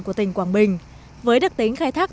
của tỉnh quảng bình với đặc tính khai thác